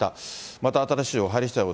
また新しい情報が入りしだい